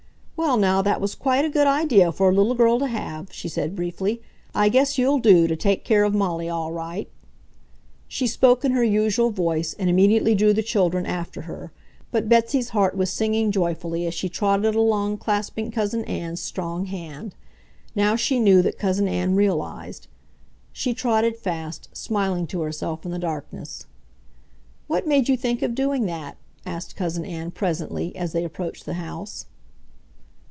"Well, now, that was quite a good idea for a little girl to have," she said briefly. "I guess you'll do to take care of Molly all right!" She spoke in her usual voice and immediately drew the children after her, but Betsy's heart was singing joyfully as she trotted along clasping Cousin Ann's strong hand. Now she knew that Cousin Ann realized.... She trotted fast, smiling to herself in the darkness. "What made you think of doing that?" asked Cousin Ann presently, as they approached the house.